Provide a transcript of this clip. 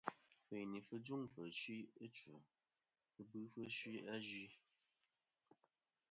Fɨ̀yìnì fɨ jûŋfɨ̀ fsɨ ɨchfɨ, fɨ bɨfɨ fsɨ azue.